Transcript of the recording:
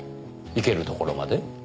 いけるところまで？